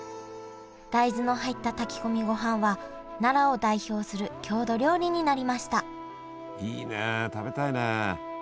大豆の入った炊き込みごはんは奈良を代表する郷土料理になりましたいいねえ食べたいね。